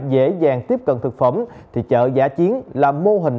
dễ dàng tiếp cận thực phẩm thì chợ giả chiến là mô hình